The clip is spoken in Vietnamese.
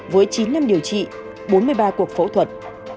với chín năm điều trị bốn mươi ba cuộc phẫu thuật